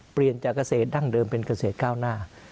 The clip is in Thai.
เปลี่ยนจากเกษตรดั้งเดิมเป็นเกษตรก้าวหน้า